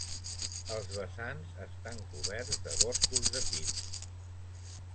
Els vessants estan coberts de boscos de pins.